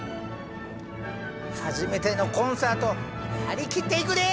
初めてのコンサート張り切っていくで！